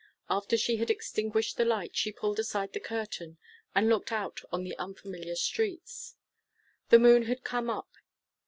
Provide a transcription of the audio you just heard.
After she had extinguished the light, she pulled aside the curtain, and looked out on the unfamiliar streets. The moon had come up.